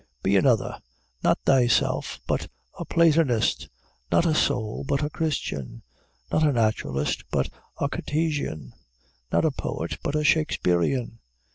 Be another not thyself, but a Platonist; not a soul, but a Christian; not a naturalist, but a Cartesian; not a poet, but a Shaksperian.